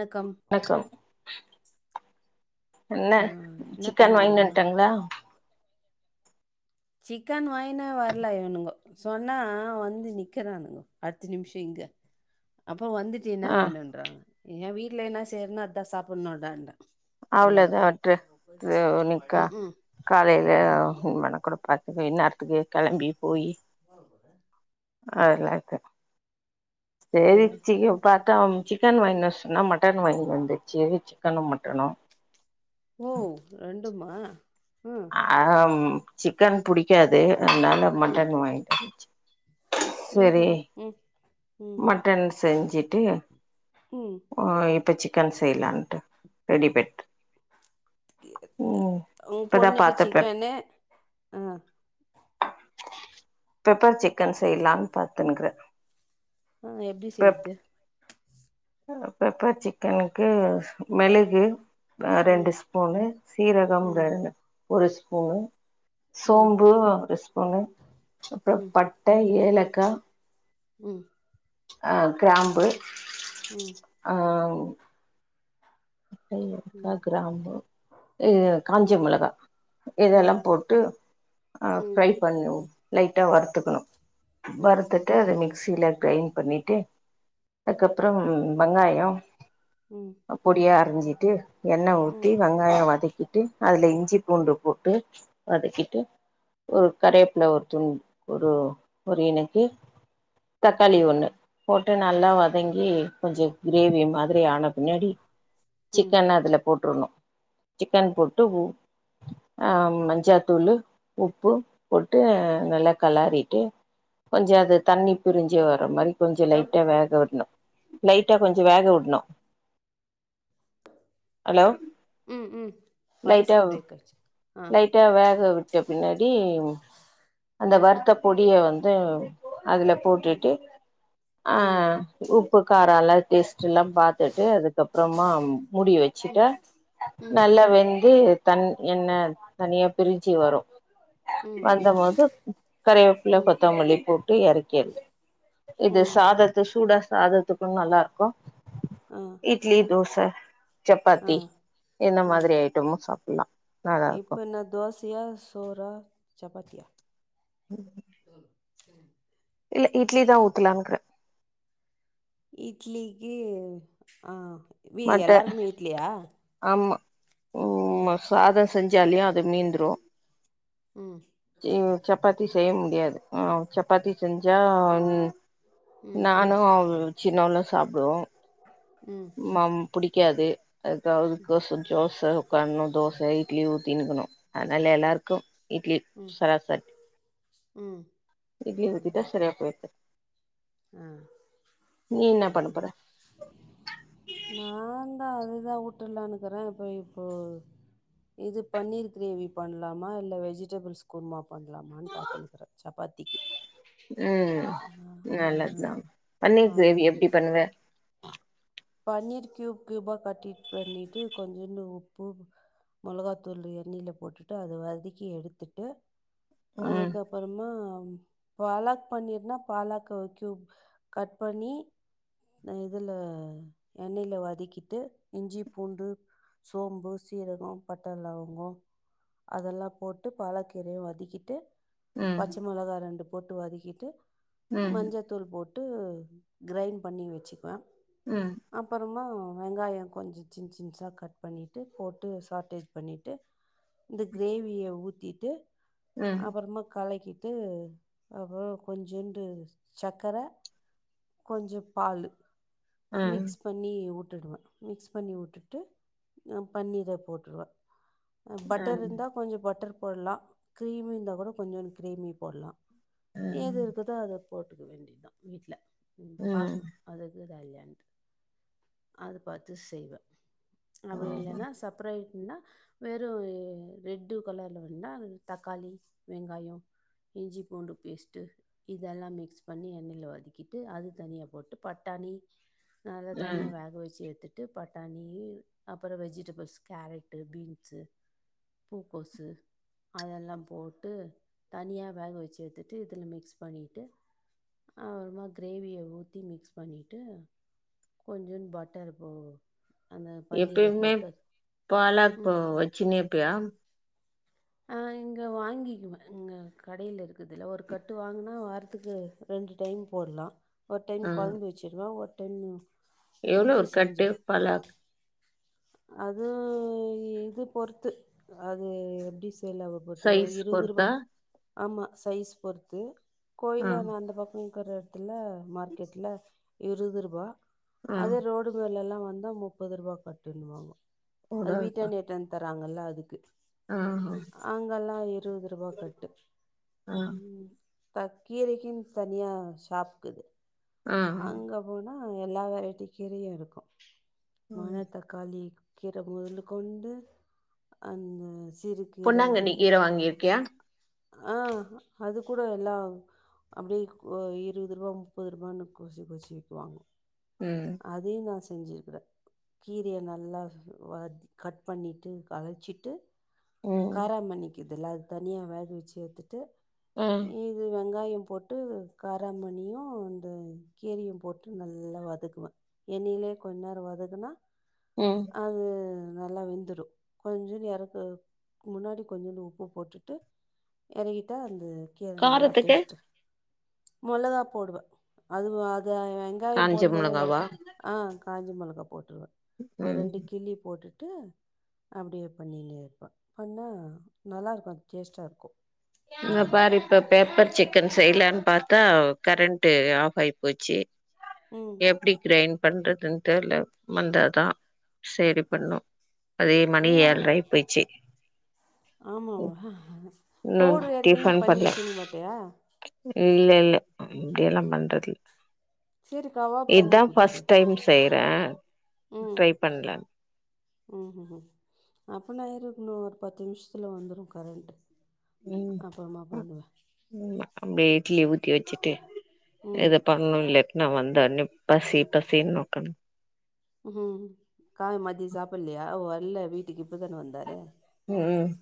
Welcome வணக்கம் என்ன ஆ என்ன சிக்கன் வாயின் பண்ணுகிறீங்க? வந்ட்டாங்களா சிக்கன் வாயின்னு வர்ல இவ்னுங்க சொன்னா வந்து நிக்கறானுங்க பத்து நிம்ஷோ இங்க அப்போ வந்துட் டு என்னா ஆ வேணுன்றாங்க நா வீட்ல என்ன செய்றனோ அதா சாப்புன்னோண்டன்ட்ட அவ்ளதா விட்று இதோ நிக்கா ம்ஹ்ம். காலையில ம். [unintelligible] பாத்துட்டு இன்னார்த்திக்கு கெளம்பி போயி யாருக்கிட்ட அதெல்லா இல்ல சேரி செய்றேன். சீக்கிரம் பாத்தா அம்ச்சி சிக்கன் வாயின் வர சொன்னா மட்டன் வாயின் வந்துச்சு சிக்கனும் மட்டனும் ஓ ரெண்டுமா ம் ஆ சிக்கன் புடிக்காது அதனால ம். மட்டன் வாயின்ட்டு வந்ச்சு செரி ம்ஹ்ம். ம். ம். ம். மட்டன் செஞ்சுட்டு ம் ஆ இப்போ சிக்கன் செய்லான்ட்டு ரெடி பன்ட்டு உன் இப்பதா பொண்ணுக்கு பாத்த பெப் சிக்கன்னு ஆ பெப்பர் சிக்கன் செய்லான் பாத்துனுக்குற ஆ எப்டி செய்ற்து அ பெப்பர் சிக்கனுக்கு மெளகு ம். ரெண்டு ஸ்பூனு சீரகம் ம். ர ஒரு ஸ்பூனு ம். சோம்பு ஒரு ஸ்பூனு அப்புறம் ம். பட்டை ஏலக்காய் ம் அ கிராம்பு ம். ஆ பட்ட ஏலக்கா ம். கிராம்பு அ காஞ்ச மொளகா ம். ம். இதெல்லாம் போட்டு ம். ஃப்ரை பண்ண லைட்டாக வறுத்துக்கணும் ம். வறுத்துட்டு அது மிக்சியில் கிரைண்ட் பண்ணிட்டு அதுக்கப்புறம் வெங்காயம் ம் பொடியா அரிஞ்சிட்டு எண்ணெய் ஊத்தி வெங்க வெங்காய வதக்கிட்டு அதுல இஞ்சி பூண்டு போட்டு வதக்கிட்டு ஒரு கருவேப்பிலை ஒரு துண் ஒரு ஒரு இனுக்கு தக்காளி ஒண்ணு போட்டு நல்லா வதங்கி கொஞ்சம் கிரேவி மாதிரி ஆன பின்னாடி ம். சிக்கன அதுல போட்டுருணும் சிக்கன் போட்டு அ மஞ்சாத்தூள் உப்பு போட்டு நல்லா கெலறிட்டு கொஞ்சம் அது தண்ணி பிரிஞ்சு வர மாதிரி கொஞ்சம் ஹலோ! லைட்டா வேக விடணும் லைட்டா கொஞ்சம் வேக விடணும் ஹலோ ம் ம் வாய்ஸ் லைட்டா பிரேக் ஆச்சு ஆ லைட்டா வேக விட்ட பின்னாடி அந்த ம் வருத்த பொடிய வந்து அதுல ம் போட்டுட்டு அ ம் உப்பு காரம் எல்லாம் டேஸ்ட் எல்லாம் பாத்துட்டு அது அப்புறமா மூடி வச்சுட்ட ம் ம் நல்ல வெந்து தன் எண்ண தனியா பிரிச்சு வரும் ம் வந்த போது கருவேப்பில ம் கொத்தமல்லி போட்டு இறக்கி இது ம் சாதத்துக்கு சூடா சாதத்துக்கும்ன்னு நல்லாருக்கும் ஆ இட்லி தோசை ஆ சப்பாத்தி இந்த ஆ மாதிரி ஐட்டமும் சாப்பிடலாம் இப்போ என்ன தோசையா சோறா சப்பாத்தியா ம் [unintelligible] ம்ம் இல்ல இட்லி தான் ஊத்தலான்னுருக்கேன் இட்லிக்கு ஆ மட்ட எல்லாருக்குமே இட்லியா ஆமா ம் சாதம் செஞ்சாலயும் அதது நீீந்துர ம் சப்பாத்தி செய்ய முடியாது ஆ சப்பாத்தி செஞ்சா ம் ம் நானும் சின்னவுளும் சாப்பிடுவோம் ம் மா புடிக்காது அதுக்கதுக்காது சோசை கண்ணணும் தோசை இட்லி ஊத்தினுக்கணும் அதனால எல்லாருக்கும் இட்லி ம் சாரா ம் இட்லி ம் ஊத்திடாட சரியா போயிடுது ஆ நீ என்ன ஆ பண்ண போற நாந்தான் அதுதா வுட்றலனுக்கறேன் இப்போ இப்போ இது பன்னீர் கிரேவி பண்ணலாமா இல்லை வெஜிடபிள்ஸ் குருமா பண்ணலாமான்னு பார்த்துனுக்கிறேன் சப்பாத்திக்கு ம் ஆ ஆ நல்லதுதான் பன்னீர் கிரேவி ஆ எப்டி பண்ணுவ பன்னீர் கியூப் கியூபா கட்டிட் பண்ணிட்டு கொஞ்சோண்டு உப்பு மொளகாத்தூள் எண்ணயில போட்டுட்டு அது வதக்கி எடுத்துட்டு ம் அதுக் அப் புறமா பாலாக் பண்ணிருன்னா பாலாக்க ஒரு கயூப் கட் பண்ணி இந்த இதுல எண்ணெய்ல வதக்கிட்டு இஞ்சி பூண்டு சோம்பு சீரகம் பட்ட லவங்கோ அதெல்லா போட்டு பாலக்கீரையு வதக்கிட்டு ம் பச்ச மிளகா ரெண்டு போட்டு வதக்கிட்டு ம் மஞ்சத்தூள் போட்டு கிரைண்ட் பண்ணி வச்சுக்குவே ம் அப்புறமா வெங்காயம் கொஞ்ச சின் சின்சா கட் பண்ணிட்டு போட்டு ஷாட்டேஜ் பண்ணிட்டு இந்த கிரேவிய ஊத்திட்டு ம் அப்புறமா கலக்கி ட்டு அப்புறோ கொஞ்சோண்டு சக்கர கொஞ்ச பாலு ம் மிக்ஸ் பண்ணி விட்டுடுவே மிக்ஸ் பண்ணி விட்டுட்டு அ பன்னீர போட்ருவே அ பட்டர் ம் இருந்தா கொஞ்ச பட்டர் போடலா கிரீமி இருந்தா கூட கொஞ்சோண்ட் கிரீமி போடலா ஏது ம் இருக்குதோ அத போட்டுக்க வேண்டியதா வீட்டுல ம் பாக்கணு அதுக்கு கல்யாண்டு அது பாத்து செய்வே அப்படி இல்லன்னா செப்பரேட்னா வெறு எ ரெட்டு கலர்ல வேணுனா அந் தக்காளி வெங்காயோ இஞ்சி பூண்டு பேஸ்ட்டு இதெல்லா மிக்ஸ் பண்ணி எண்ணெயில வதக்கிட்டு அதுக் தனியா போட்டு பட்டாணி நா அத ம் தனியா வேக வச்சு எடுத்துட் ட்டு பட்டாணி அப்புறோ வெஜிடபிள்ஸ் கேரட்டு பீன்ஸு பூக்கோசு அதெல்லா போட்டு தனியா வேக வச்சு எடுத்துட்டு இதுல மிக்ஸ் பண்ணிட்டு அப்புறமா கிரேவியோ ஊத்தி மிக்ஸ் பண்ணிட்டு கொஞ்சோண்ட் பட்டர் போடுவோ எப்பயுமே ம் பாலக்கு வச்சுனே இருப்பியா அ இங்க வாங்கிக்குவே இங்க கடையில இருக்குதல ஒரு கட்டு வாங்கினா வாரத்துக்கு ரெண்டு டைம் போடலா ஒரு டைம் குழம்பு வச்சுடுவே ஒரு டைம்மு எவ்ளோ ஒரு கட்டு பலாக் அது இது பொறுத்து அது எப்படி சொலவு பத்து சைஸ் இருவது ரூபா பொறுத்தா ஆமா சைஸ் பொறுத்து ஆ கோயில்லு அது அந்த பக்கோ இக்கிறாரு இல்ல மார்க்கெட்ல இருபது ரூபா ஆ அதே ரோடு டுல்லால்லா வந்தா முப்பது ரூபா கட்டுனுவாங்கோ அது ஓடாப்பா வீட்டான்ட எடுத்துந் தராங்கல்ல அதுக்கு ஆ அங்கல்லா இருபது ரூபா கட்டு ஆ ம் தக் கீரைக்குன் தனியா ஷாப்க்கு ஆ அங்கப் போனா எல்லா வெரைட்டி கீரையு இருக்கு ம். மனத்தக் காளி கீர முதல்லு கொண்டு அந்த சிறுக் கீர பொன்னாங்கண்ணி கீர வாங்கியிருக்கியா ஆ அது கூட எல்லாம் அப்படிக்கு இருபது ரூபா முப்பது ரூபானு கொறசி கொறசி வீக்குவாங்க ம் அதையு நா செஞ்சிருக்கிறே கீரைய நல்லா வத் கட் பண்ணிட்டு கழச்சிட்டு ம் காரமணிருக்குதுல்ல அத தனியா வேக வச்சு ஏடுத்துட்டு ம் இது வெங்காய போட்டு கார மண்ணியு இந்த கீரயையு போட்டு நல்லா வதக்கு என்னைலயே கொஞ்ச நேர வதகுனா ம் அது நல்லா வெந்துரு கொஞ்சோடு இறக்குறது முன்னாடி கொஞ்சண்டு உப்பு போட்டுட்டு இறகிட்டா அந்த கீர நல்ல காரத்துக்கு டேஸ்ட் மிளகா போடுவ அது அது வெங்காய காஞ்ச போடுபோதே மோள மிளகாவா ஆ காஞ்ச மிளகா போட்டுருவே ஒரு ம் ரெண்டு கிள்ளி போட்டுட்டு அப்டியே பண்னினே இருப்ப பண்ணா நல்லா இருக்கு அது டேஸ்ட்டா இருக்கு யா பாரு இப்ப பெப்பர் சிக்கன் செய்யலானு பாத்தா கரண்ட்டு ஆஃப் ஆகி போச்சு ம் எப்டி கிரைண் பண்றதுன்னு தெர்ல வந்தாதா சேரி பண்ணு அதே மணி ஏழார ஆயி போச்சு ஆமா வா இன்னு போடு ஏற்கனே டிஃபன் பண்ணி பண்ல வச்சுருங்கமாட்டையா இல்ல இல்ல இப்டிய எல்லா பண்றதுல சரி கவாப் பண்ணி இதா கொடுத்துரு பஸ்ட் டைம் செய்யறே ம் ட்ரை பண்றே ம் ம் அப்பனா ஏறிகுமே இன்னு ஒரு பத்து நிமிஷத்தில வந்துடு கரண்ட்டு அப்புறமா பண்ணுவேன் ம் அப்டியே இட்லி ஊத்தி வச்சுட்டு ம் இத பண்ணு இல்லாட்னா வந்தடன்ன பசி பசின்னு [unintelligible] ம் கால மதிய சாப்படலையா அவ அல்ல வீட்டுக்கு இப்பதானே வந்தாரு ம்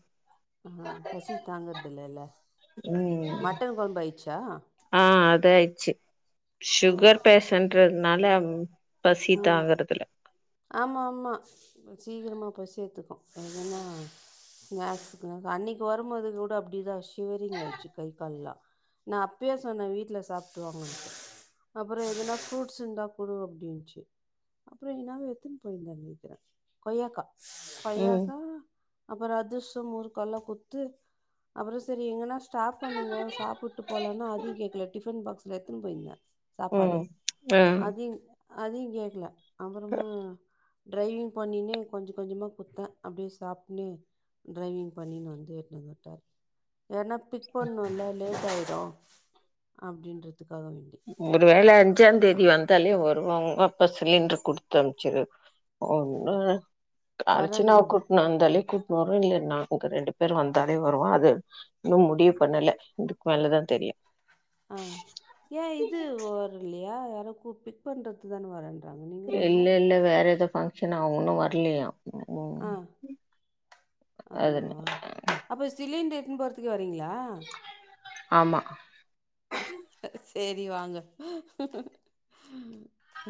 ஆ பசி தாங்கறதுலல்ல ம் மட்டன் கொழம்பு ஆயிச்சா ஆச்சு சுகர் பேஷண்டுறதுனால பசி ம் தாங்குறதுல்ல ஆமா ஆமா கொஞ்சோ சீக்கிரமா பசி எடுத்துக்கு [unintelligible] அன்னைக்கு வருபோது கூட அப்டிதான ஷிவரிங் ஆயிடுச்சு கை கால் எல்லா நா அப்பயே சொன்னே வீட்ல சாப்புட்டு வாங்கனு அப்பற எதுனா ஃப்ரூட்ஸ் இருந்தா குடு அப்டின்னுச்சு அப்றோ இந்தங்க எடுத்துட்டு போய்ருந்தேனு நெனக்கிறே கொய்யாக்கா ம் கொய்யக்கா அப்புற அதிரசம் முறுக்கெல்லா குடுத்து அப்புற சேரி எங்கன்னா சாப்பனுங்க சாப்பிட்டு போகலன்னா அதயு கேக்கல டிஃபன் பாக்ஸ்ல எடுத்துன்னு போயிருந்தே சாப்பாடு ம் ஆ அதயு அதயு கேட்கல அப்பறமா ட்ரைவிங் பண்ணின்னே கொஞ்சோ கொஞ்சோ கொடுத்தே அப்டியே சாப்டின்னு ட்ரைவிங் பண்ணின்னு வந்து இருந்துட்டாரு ஏன்னா பிக் பண்ணும்ல லேட் ஆயிடு அப்டின்றதுக்காக வே ஒருவேளை அஞ்சா தேதி வந்தாலே வருவாங்க அப்ப சிலிண்டர் குடுத்து அனுப்ச்சிரு ஒன்னு வரேன்னாங்க அரச்சனாக்கு நா அந்தாலே கூப்போறே இல்லே நாங்க ரெண்டு பேரு வந்தாலே வருவோ அது இன்னு முடிவு பண்ணலை இதுக்கு மேலதா தெரியு ஆஹ் ஏ இது வர்லயா யாரோ கூ பிக் பண்றதுக் தானே வரே இல்ல இல்ல வேற ஏதோ ஃபங்க்ஷனா அவுங்க இன்னு வரலயா ஆஹ் அதுன ஆமாவா அப்போ சிலிண்ட்டர் எடுத்துனு போறத்துக்கு வரீங்களா ஆமா சேரி வாங்க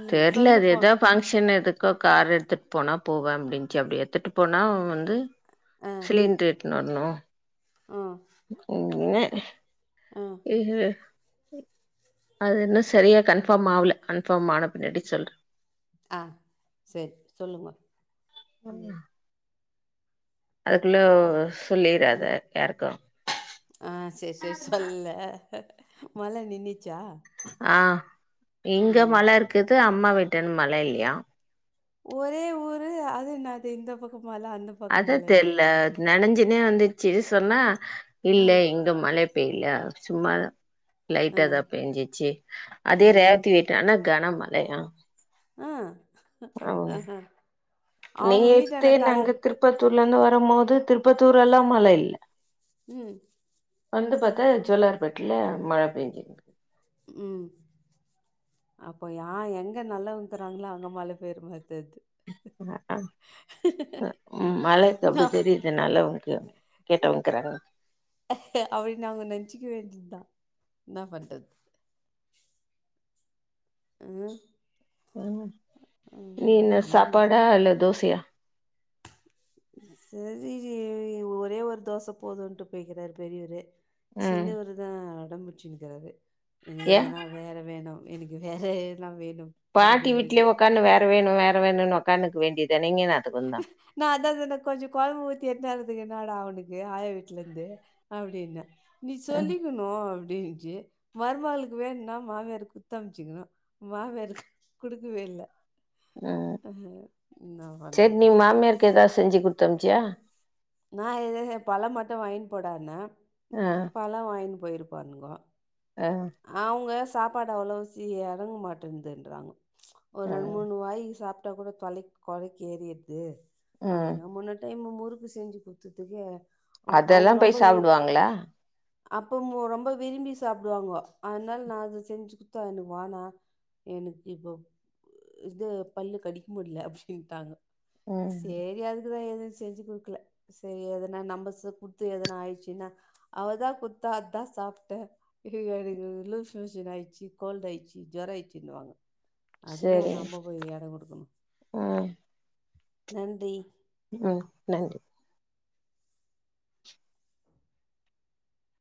ம் தெர்ல சொல்லு இது போ எதாவ் பங் ஷன் எதுக்கோ கார் எடுத்துட்டு போனா போவே அப்டின்ச்சி அப்டி எடுத்துட்டு போனா வந்து சிலிண்ட்ர் எட்டுனு வரணு ஆ ச என்னே இ அது இன்னு சரியா கன்ஃபார்ம் ஆவல கன்ஃபார்ம் ஆன பின்னாடி சொல்றே ஆ சரி சொல்லுங்கோ ம் அதுக்குள்ள சொல்லிறாத ம் யாருக்கு ஆ சரி சரி சொல்ல மழ நின்னிச்சா ஆ இங்க மழ இருக்குது அம்மா வீட்டுன் மழ இல்லியா ஒரே ஊரு அது என்னாது இந்த பக்க மழ அந்தப் பக் அதா தெர்ல நனஞ்சுனே வந்துச்சு சொன்னா இல்ல ம் இங்க மழப் பெய்லா சும்மா லைட்டா ம் தா பேஞ்சிச்சு அதே ம் ரேவத்தி வீட் டானா கன மழையா ஆ அவுங்க வீட்டான கால்ல திருபத்தூர்ல இருந்து வரம் போது திருப்பத்தூரெல்லா மழ இல்ல ம் வந்து பாத்தா ஜோல்லார் பேட்ல மழ பெய்ஞ்சிருகு ம் அப்போ யா எங்க நல்லவங்கறாங்களோ அங்க மழ பெய்ர மாறி தெர்து அ அ ம் மழக்கு அப்டி நான் தெரிது நல்லவங்க [unintelligible] கேட்டவங்க்கிறாங்க அப்டியா அப்டின் நாம நெனச்சுக்க வேண்டியதுதா என்னா பண்றது ஐயோ ம் நீ என்ன அம் சாப்பாடா இல்ல தோசையா சரி ஒரே ஒரு தோச போதும்ன்ட்டு போய்கிறாரு பெரியவரு ம் சின்னவருதா ஒடம்புச்சினுக்குறாறு இன்னக்கு ஏ எதனா வேற வேணு எனக்கு வேற எல்லா வேணும் பாட்டி வீட்டுலே ஒக்கான்னு வேற வேணு வேற வேணுனு ஒக்காந்துக்க வேண்டியது தான இங்க என்னாத்துக்கு வந்தா நா அதா சொன்ன கொஞ்ச கொழம்பு ஊத்தி எடுத்துனாக்கு வேன்டிதான அவனுக்கு ஆயா வீட்லேருந்து அப்டின்ன நீ ம் சொல்லி குடு ஓ அப்டின்ச்சு மறுமளுக்கு வேணும்னா மாமியாரு குத்து அமிச்சுக்கணு மாமியாரு குடுக்கவே இல்ல ம் அஹ நா பண் சரி நீ மாமியாருக்கு எதாவது செஞ்சு குத்து அம்ச்சியா நா எதாது பழம் மட்டு வாங்கின் போடான்னே ஆ பழ வாங்கினு போயிருப்பானுங்கோ ஆ அவுங்கதா சாப்பாடு அவ்வளவு சி எறங்க மாட்டேன்துன்றாங்கோ ஒரு ரெண் ம் மூணு வாய் சாப்ட்டா கூட தலைக்கு கொறைக்கு ஏறிறுது ம் அதெல்லா முன்ன டைம் முறுக்கு செஞ்சு குடுத்துதுக்கு அவுங்க அதெல்லா ரொம்ப போய் விரும் சாப்டுவாங்களா அப்ப அவுங்க ரொம்ப விரும்பி சாப்டுவாங்க அதனால நா அத செஞ்சு குத்தா எனக்கு வானா எனக்கு இப்ப இது பல்லு கடிக்க முடில அப்டின்ட்டாங்க ம் சேரி அது க்குதா எது செஞ்சு குடுக்கல சேரி எதுனா நம்ம குடுத்து எதனா ஆயிடுச்சுன்னா அவதா குடுத்தா அதா சாப்ட்டே அப்டிம்பாரு ம் லூஸ் மோஷன் ஆயிடுச்சு கோல்டு ஆயிடுச்சு ஜொரோ ஆயிடுச்சுன்னுவாங்க அதுக்கு ஏ சரி நம்ம போய் எடோ குடுக்கணு ம் நன்றி ம் நன்றி